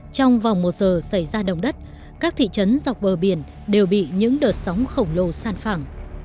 trong vòng một giờ xảy ra động đất các thị trấn dọc bờ biển đều bị những đợt sóng khổng lồ san phẳng